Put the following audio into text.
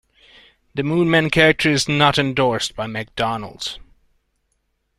The Moon Man character is not endorsed by McDonald's.